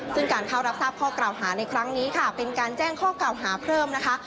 ซึ่งการเข้ารับทราบข้อกล่าวหาในครั้งนี้ค่ะเป็นการแจ้งข้อกล่าวหาเพิ่มนะคะ